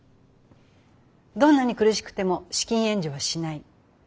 どんなに苦しくても資金援助はしない。